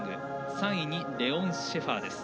３位にレオン・シェファーです。